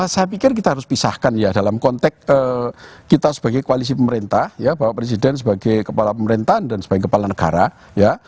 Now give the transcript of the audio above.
saya pikir kita harus pisahkan ya dalam konteks kita sebagai koalisi pemerintah ya bapak presiden sebagai kepala pemerintahan dan sebagai kepala negara ya